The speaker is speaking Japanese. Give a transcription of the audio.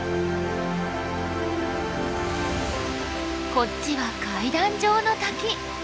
こっちは階段状の滝。